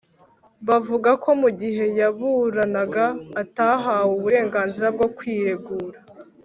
Bavuga ko mugihe yaburanaga atahawe burenganzira bwo kwiregura